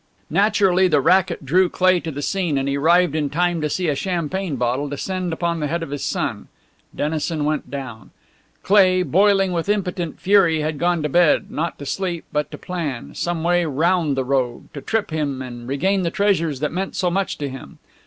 Naturally the racket drew Cleigh to the scene, and he arrived in time to see a champagne bottle descend upon the head of his son. Dennison went down. Cleigh, boiling with impotent fury, had gone to bed, not to sleep but to plan; some way round the rogue, to trip him and regain the treasures that meant so much to him.